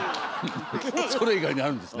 それ以外にあるんですね？